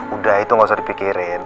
udah itu gak usah dipikirin